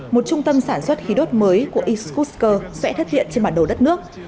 một trung tâm sản xuất khí đốt mới của excusker sẽ thất hiện trên mặt đầu đất nước